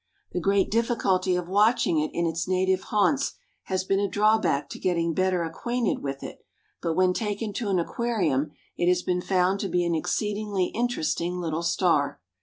The great difficulty of watching it in its native haunts has been a drawback to getting better acquainted with it, but when taken to an aquarium it has been found to be an exceedingly interesting little star.